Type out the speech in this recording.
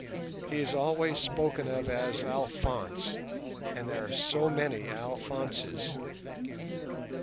He is always spoken of as "Alphonse", and there are so many Alphonses.